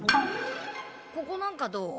ここなんかどう？